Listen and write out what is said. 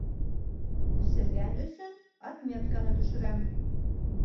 Күсергән өсөн отметканы төшөрәм.